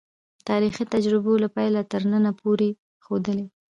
تاریخي تجربو له پیله تر ننه پورې ښودلې.